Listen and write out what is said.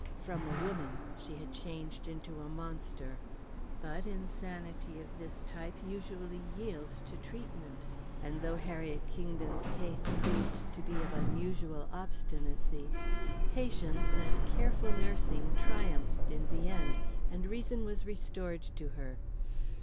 From a woman she had changed into a monster. But insanity of this type usually yields to treatment; and though Harriet Kingdon's case proved to be of unusual obstinacy, patience and careful nursing triumphed in the end, and reason was restored to her.